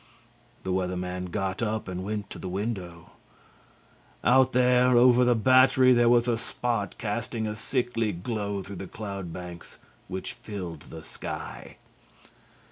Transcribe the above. '" The Weather Man got up and went to the window. Out there over the Battery there was a spot casting a sickly glow through the cloud banks which filled the sky.